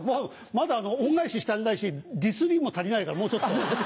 まだ恩返しし足りないしディスりも足りないからもうちょっと。